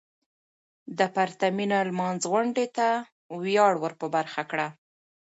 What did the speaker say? د پرتمينې لمانځغونډې ته وياړ ور په برخه کړه .